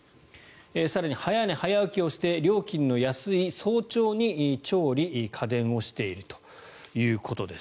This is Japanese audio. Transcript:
更に早寝早起きをして料金の安い早朝に調理・家事をしているということです。